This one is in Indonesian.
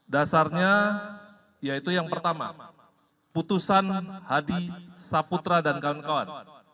dasarnya yaitu yang pertama putusan hadi saputra dan kawan kawan